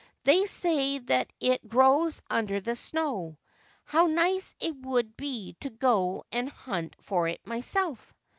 ' They say that it grows under the snow. How nice it would be to go and hunt for it oneself